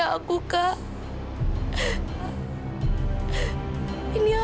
ira kak dikakayanin dulu